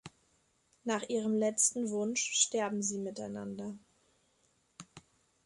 Nach ihrem letzten Wunsch sterben sie miteinander.